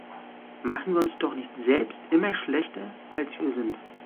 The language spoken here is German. Machen wir uns doch nicht selbst immer schlechter, als wir sind!